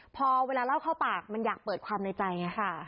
พอเวลาเล่าเข้าปากมันอยากเปิดความในใจค่ะ